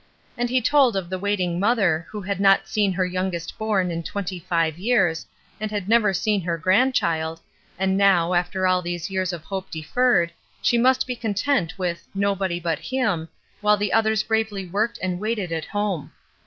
And he told of the waiting mother who had not seen her youngest born in twenty five years and had never seen her grandchild, and now, after all these years of hope deferred, she must be content with "nobody but him," while the others bravely worked and waited at home.